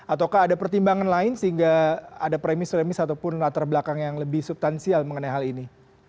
ataukah ada pertimbangan lain sehingga ada premis premis ataupun latar belakang yang lebih subtansial mengenai hal ini